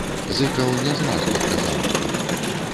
Зыкаў не зразу адказаў яму.